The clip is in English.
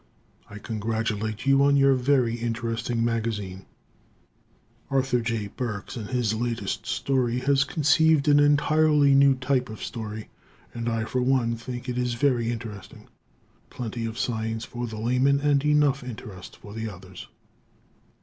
I congratulate you on your very interesting magazine. Arthur J. Burks, in his latest story, has conceived an entirely new type of story, and I, for one, think it very interesting. Plenty of science for the laymen and enough interest for the others.